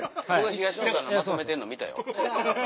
東野さんがまとめてるの見たよ。